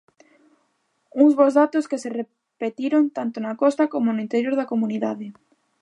Uns bos datos que se repetiron tanto na costa como no interior da comunidade.